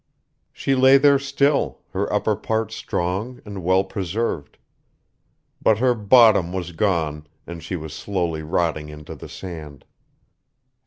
She lay there still, her upper parts strong and well preserved. But her bottom was gone, and she was slowly rotting into the sand.